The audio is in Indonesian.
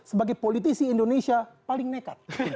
sebagai politisi indonesia paling nekat